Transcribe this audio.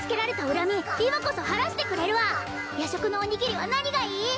恨み今こそ晴らしてくれるわ夜食のおにぎりは何がいい？